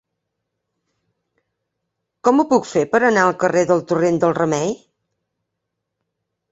Com ho puc fer per anar al carrer del Torrent del Remei?